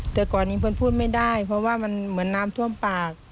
แต่ก่อนนี้เพื่อนพูดไม่ได้เพราะว่ามันเหมือนน้ำท่วมปาก